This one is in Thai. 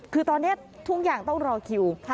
คือตอนนี้ทุกอย่างต้องรอคิว